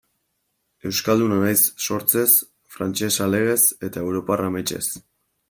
Euskalduna naiz sortzez, frantsesa legez, eta europarra ametsez.